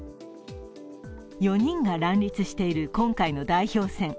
４人が乱立している今回の代表選。